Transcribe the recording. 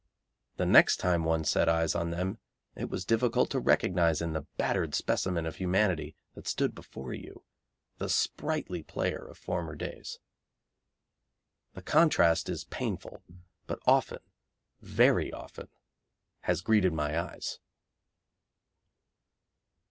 The next time one set eyes on them it was difficult to recognise in the battered specimen of humanity that stood before you the sprightly player of former days. The contrast is painful, but often, very often, has greeted my eyes.